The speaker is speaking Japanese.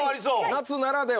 夏ならでは。